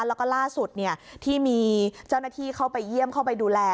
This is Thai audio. แล้วก็ล่าสุดที่มีเจ้าหน้าที่เข้าไปเยี่ยมเข้าไปดูแล